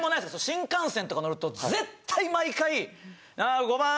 新幹線とか乗ると絶対毎回。